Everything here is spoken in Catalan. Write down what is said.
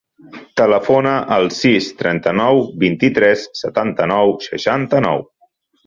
Telefona al sis, trenta-nou, vint-i-tres, setanta-nou, seixanta-nou.